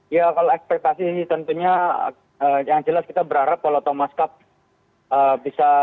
ya kalau ekspektasi ini tentunya yang jelas kita berharap kalau thomas cup bisa